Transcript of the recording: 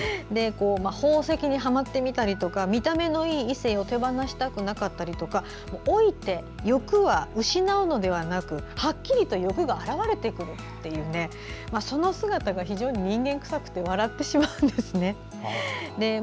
宝石にはまってみたりとか見た目のいい異性を手放したくなかったりとか老いて、欲は失うのではなくはっきりと欲が表れてくるというその姿が非常に人間くさくて笑ってしまうんですね。